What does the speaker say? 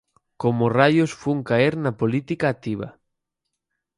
Como raios fun caer na política activa!